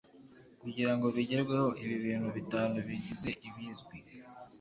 kugirango bigerweho Ibi bintu bitanu bigize ibizwi